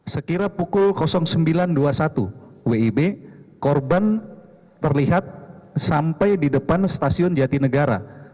sekira pukul sembilan dua puluh satu wib korban terlihat sampai di depan stasiun jatinegara